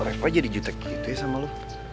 aku jadi jutek gitu ya sama lo